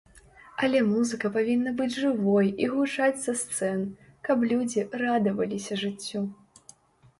Але музыка павінна быць жывой і гучаць са сцэн, каб людзі радаваліся жыццю!